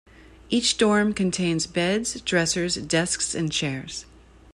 Each dorm contains beds, dressers, desks, and chairs.